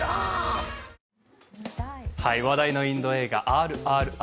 話題のインド映画「ＲＲＲ」。